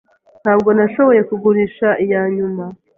Ntabwo nashoboye kugurisha iyanyuma.